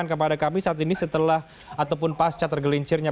terima kasih bang renran